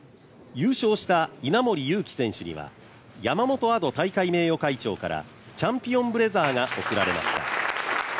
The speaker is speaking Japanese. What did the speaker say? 優勝した稲森佑貴選手には山本亜土大会名誉会長からチャンピオンブレザーが贈られました。